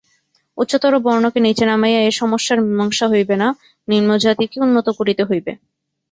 উচ্চতর বর্ণকে নীচে নামাইয়া এ-সমস্যার মীমাংসা হইবে না, নিম্নজাতিকে উন্নত করিতে হইবে।